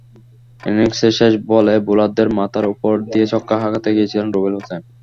ইনিংসের শেষ বলে বোলারের মাথার ওপর দিয়ে ছক্কা হাঁকাতে গিয়েছিলেন রুবেল হোসেন।